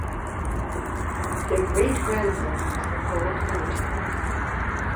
Their great grandson was the poet Goethe.